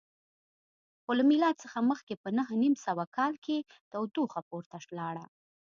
خو له میلاد څخه مخکې په نهه نیم سوه کال کې تودوخه پورته لاړه